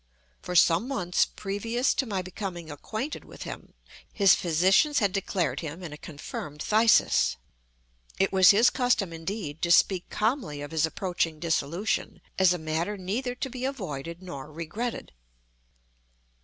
For some months previous to my becoming acquainted with him, his physicians had declared him in a confirmed phthisis. It was his custom, indeed, to speak calmly of his approaching dissolution, as of a matter neither to be avoided nor regretted.